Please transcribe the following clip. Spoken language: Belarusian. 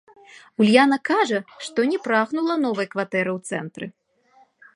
Ульяна кажа, што не прагнула новай кватэры ў цэнтры.